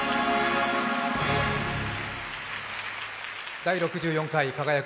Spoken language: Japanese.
「第６４回輝く！